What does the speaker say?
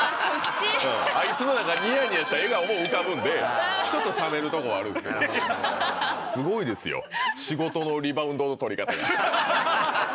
あいつのニヤニヤした顔が浮かんで、ちょっと冷めるところはあるところもあるんですが、すごいですよ、仕事のリバウンドの取り方が。